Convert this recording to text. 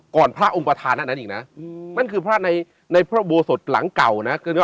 พระองค์ประธานอันนั้นอีกนะนั่นคือพระในพระอุโบสถหลังเก่านะ